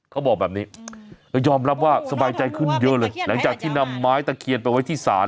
เขาบอกแบบนี้แล้วยอมรับว่าสบายใจขึ้นเยอะเลยหลังจากที่นำไม้ตะเคียนไปไว้ที่ศาล